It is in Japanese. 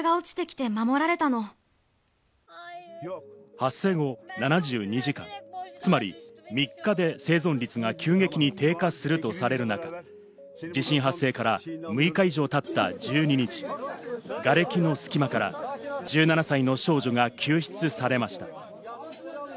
発生後７２時間、つまり３日で生存率が急激に低下するとされる中、地震発生から６日以上経った１２日、がれきの隙間から１７歳の少女が救出されました。